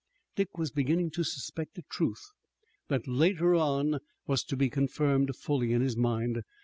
Dick was just beginning to suspect a truth that later on was to be confirmed fully in his mind.